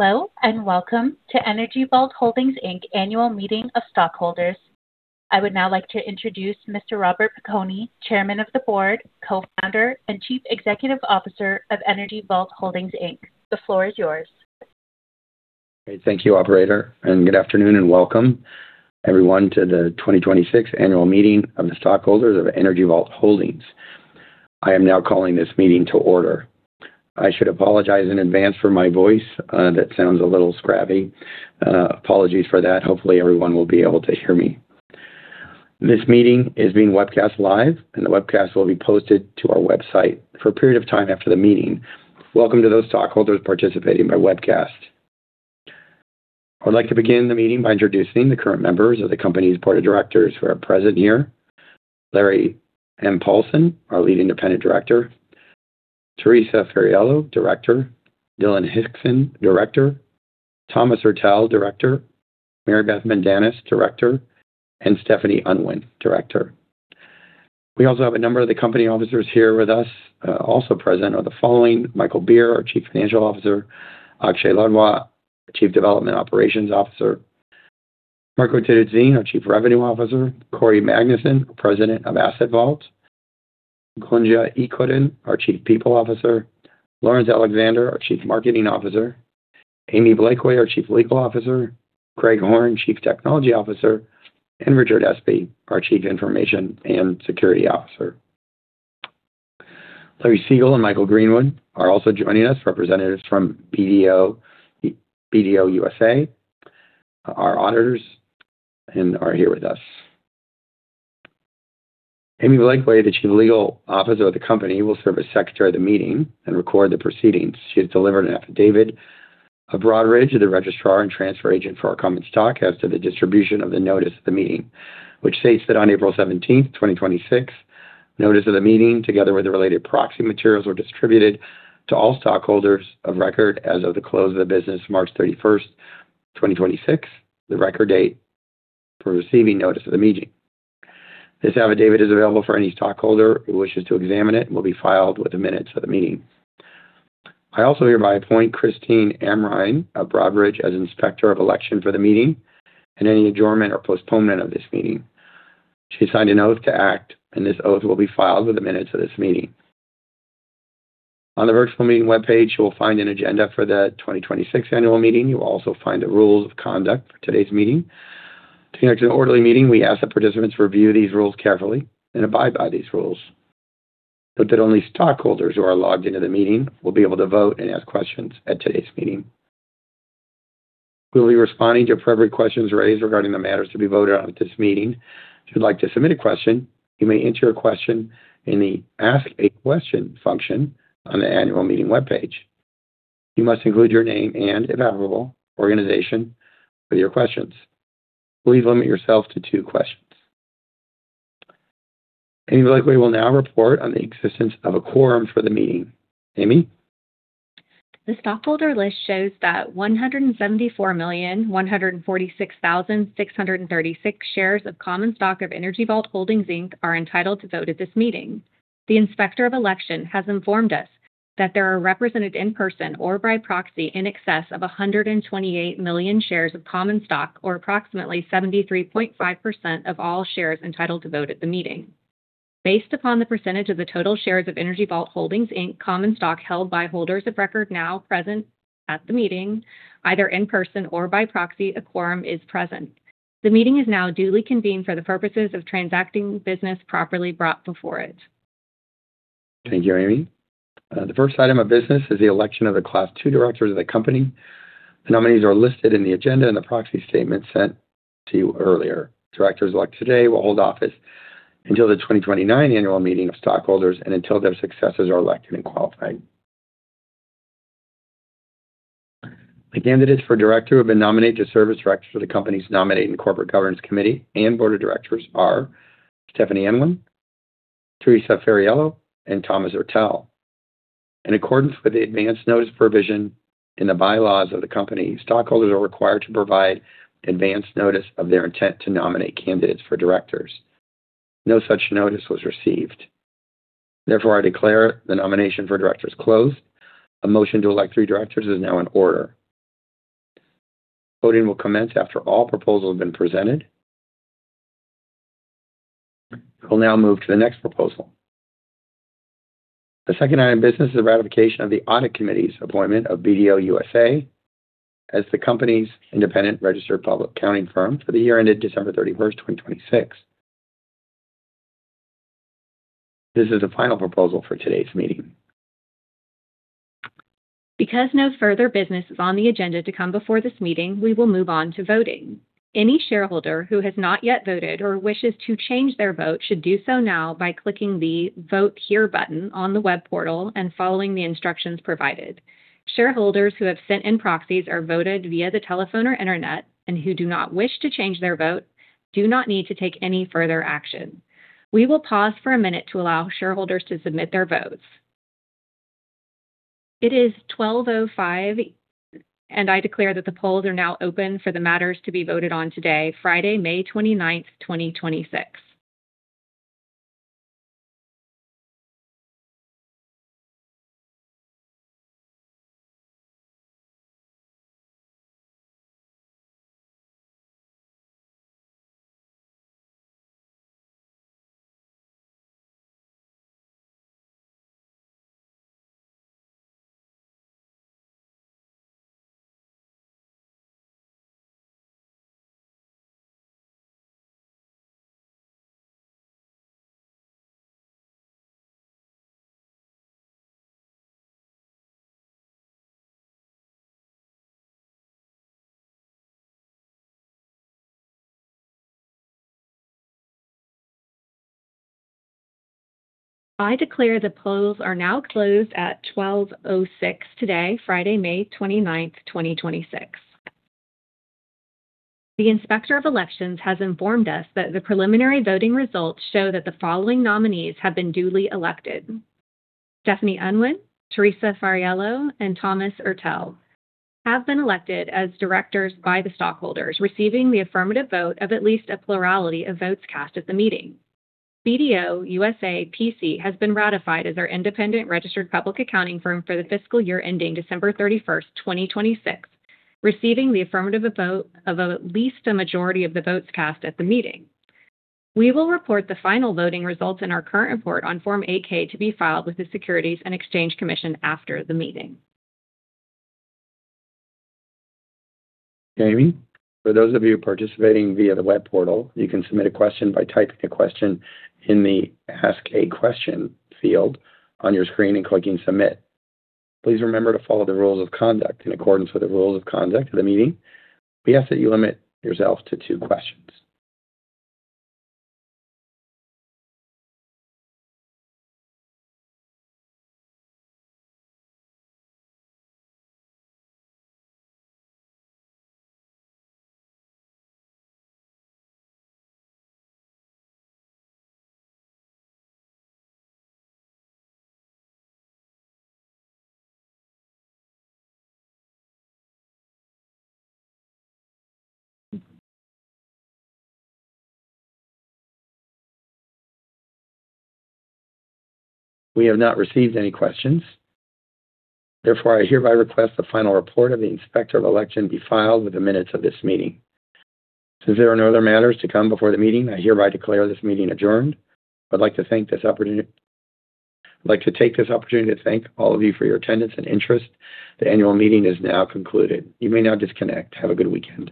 Hello, welcome to Energy Vault Holdings, Inc. annual meeting of stockholders. I would now like to introduce Mr. Robert Piconi, Chairman of the Board, Co-founder, and Chief Executive Officer of Energy Vault Holdings, Inc. The floor is yours. Great. Thank you, operator. Good afternoon, and welcome, everyone, to the 2026 annual meeting of the stockholders of Energy Vault Holdings. I am now calling this meeting to order. I should apologize in advance for my voice. That sounds a little scratchy. Apologies for that. Hopefully, everyone will be able to hear me. This meeting is being webcast live, and the webcast will be posted to our website for a period of time after the meeting. Welcome to those stockholders participating by webcast. I would like to begin the meeting by introducing the current members of the company's board of directors who are present here. Larry M. Paulson, our Lead Independent Director, Theresa Fariello, Director, Dylan Hixon, Director, Thomas Ertel, Director, Mary Beth Mandanas, Director, and Stephanie Unwin, Director. We also have a number of the company officers here with us. Also present are the following: Michael Beer, our Chief Financial Officer, Akshay Ladwa, Chief Development and Operations Officer, Marco Terruzzin, our Chief Revenue Officer, Cory Magnuson, President of Asset Vault, Goncagul İçören, our Chief People Officer, Laurence Alexander, our Chief Marketing Officer, Amy Blakeway, our Chief Legal Officer, Craig Horne, Chief Technology Officer, and Richard Espy, our Chief Information and Security Officer. Larry Siegel and Michael Greenwood are also joining us, representatives from BDO USA, our auditors, and are here with us. Amy Blakeway, the Chief Legal Officer of the company, will serve as Secretary of the meeting and record the proceedings. She has delivered an affidavit of Broadridge, the registrar and transfer agent for our common stock as to the distribution of the notice of the meeting, which states that on April 17th, 2026, notice of the meeting, together with the related proxy materials, were distributed to all stockholders of record as of the close of business March 31st, 2026, the record date for receiving notice of the meeting. This affidavit is available for any stockholder who wishes to examine it and will be filed with the minutes of the meeting. I also hereby appoint Christine Amrhein of Broadridge as Inspector of Election for the meeting and any adjournment or postponement of this meeting. She signed an oath to act, and this oath will be filed with the minutes of this meeting. On the virtual meeting webpage, you will find an agenda for the 2026 annual meeting. You will also find the rules of conduct for today's meeting. To conduct an orderly meeting, we ask that participants review these rules carefully and abide by these rules. Note that only stockholders who are logged into the meeting will be able to vote and ask questions at today's meeting. We will be responding to appropriate questions raised regarding the matters to be voted on at this meeting. If you'd like to submit a question, you may enter a question in the Ask a Question function on the annual meeting webpage. You must include your name and, if applicable, organization with your questions. Please limit yourself to two questions. Amy Blakeway will now report on the existence of a quorum for the meeting. Amy? The stockholder list shows that 174,146,636 shares of common stock of Energy Vault Holdings, Inc. are entitled to vote at this meeting. The Inspector of Election has informed us that there are represented in person or by proxy in excess of 128 million shares of common stock, or approximately 73.5% of all shares entitled to vote at the meeting. Based upon the percentage of the total shares of Energy Vault Holdings, Inc. common stock held by holders of record now present at the meeting, either in person or by proxy, a quorum is present. The meeting is now duly convened for the purposes of transacting business properly brought before it. Thank you, Amy. The first item of business is the election of the Class II Directors of the company. The nominees are listed in the agenda and the proxy statement sent to you earlier. Directors elected today will hold office until the 2029 annual meeting of stockholders and until their successors are elected and qualified. The candidates for director who have been nominated to serve as directors for the company's Nominating and Corporate Governance Committee and Board of Directors are Stephanie Unwin, Theresa Fariello, and Thomas Ertel. In accordance with the advance notice provision in the bylaws of the company, stockholders are required to provide advance notice of their intent to nominate candidates for directors. No such notice was received. Therefore, I declare the nomination for directors closed. A motion to elect three directors is now in order. Voting will commence after all proposals have been presented. We'll now move to the next proposal. The second item of business is the ratification of the Audit Committee's appointment of BDO USA as the company's independent registered public accounting firm for the year ended December 31st, 2026. This is the final proposal for today's meeting. Because no further business is on the agenda to come before this meeting, we will move on to voting. Any shareholder who has not yet voted or wishes to change their vote should do so now by clicking the Vote Here button on the web portal and following the instructions provided. Shareholders who have sent in proxies or voted via the telephone or internet and who do not wish to change their vote do not need to take any further action. We will pause for one minute to allow shareholders to submit their votes. It is 12:05 P.M., and I declare that the polls are now open for the matters to be voted on today, Friday, May 29th, 2026. I declare the polls are now closed at 12:06 P.M. today, Friday, May 29th, 2026. The Inspector of Election has informed us that the preliminary voting results show that the following nominees have been duly elected. Stephanie Unwin, Theresa Fariello, and Thomas Ertel have been elected as directors by the stockholders, receiving the affirmative vote of at least a plurality of votes cast at the meeting. BDO USA, P.C. has been ratified as our independent registered public accounting firm for the fiscal year ending December 31st, 2026, receiving the affirmative vote of at least a majority of the votes cast at the meeting. We will report the final voting results in our current report on Form 8-K to be filed with the Securities and Exchange Commission after the meeting. Amy. For those of you participating via the web portal, you can submit a question by typing a question in the Ask a Question field on your screen and clicking Submit. Please remember to follow the rules of conduct. In accordance with the rules of conduct of the meeting, we ask that you limit yourself to two questions. We have not received any questions. I hereby request the final report of the Inspector of Election be filed with the minutes of this meeting. There are no other matters to come before the meeting, I hereby declare this meeting adjourned. I'd like to take this opportunity to thank all of you for your attendance and interest. The annual meeting is now concluded. You may now disconnect. Have a good weekend.